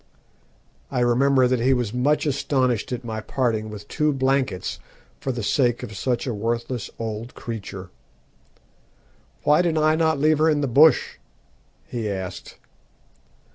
I remember that he was much astonished at my parting with two blankets for the sake of such a worthless old creature. 'Why did I not leave her in the bush?' he asked.